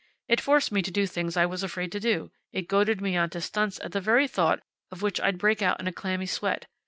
It forced me to do things I was afraid to do. It goaded me on to stunts at the very thought of which I'd break out in a clammy sweat.